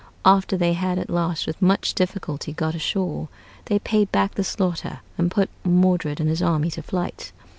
After they had at last, with much difficulty, got ashore, they paid back the slaughter, and put Modred and his army to flight.